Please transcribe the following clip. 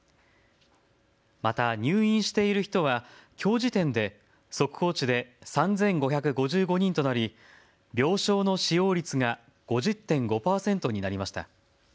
また入院している人はきょう時点で速報値で３５５５人となり病床の使用率が５０．５％になりました。